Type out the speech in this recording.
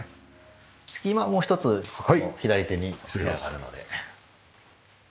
もう一つそこの左手にお部屋があるので。